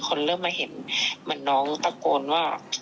คนเริ่มมาเห็นเหมือนน้องตะโกนว่า